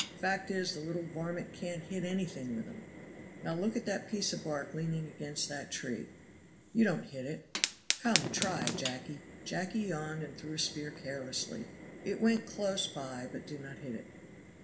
"Fact is the little varmint can't hit anything with 'em. Now look at that piece of bark leaning against that tree. You don't hit it. Come, try, Jacky." Jacky yawned and threw a spear carelessly. It went close by but did not hit it.